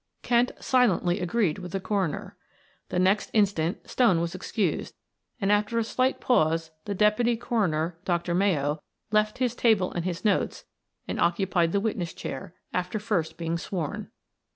Kent silently agreed with the coroner. The next instant Stone was excused, and after a slight pause the deputy coroner, Dr. Mayo, left his table and his notes and occupied the witness chair, after first being sworn.